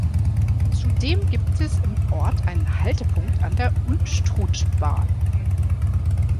Zudem gibt es im Ort einen Haltepunkt an der Unstrutbahn.